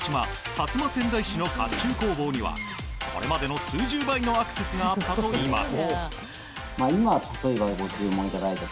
薩摩川内市の甲冑工房にはこれまでの数十倍のアクセスがあったといいます。